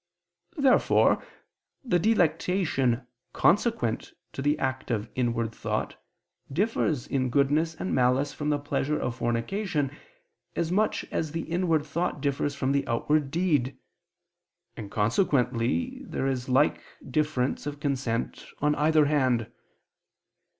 Therefore the delectation consequent to the act of inward thought, differs in goodness and malice from the pleasure of fornication, as much as the inward thought differs from the outward deed; and consequently there is a like difference of consent on either hand.